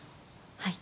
はい。